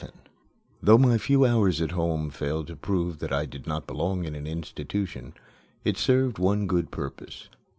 XI Though my few hours at home failed to prove that I did not belong in an institution, it served one good purpose.